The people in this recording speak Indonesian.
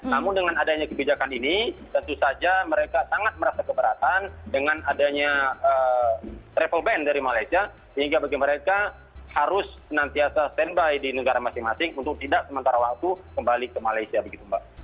namun dengan adanya kebijakan ini tentu saja mereka sangat merasa keberatan dengan adanya travel ban dari malaysia sehingga bagi mereka harus senantiasa standby di negara masing masing untuk tidak sementara waktu kembali ke malaysia begitu mbak